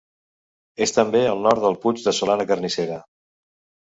És també al nord del Puig de Solana Carnissera.